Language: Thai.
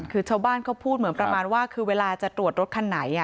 คือชาวบ้านเขาพูดเหมือนประมาณว่าคือเวลาจะตรวจรถคันไหน